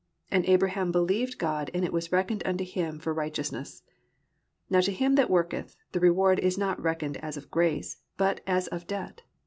And Abraham believed God and it was reckoned unto him for righteousness. Now to him that worketh, the reward is not reckoned as of grace, but as of debt.